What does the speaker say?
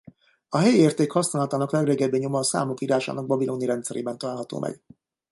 A helyiérték használatának legrégibb nyoma a számok írásának babiloni rendszerében található meg.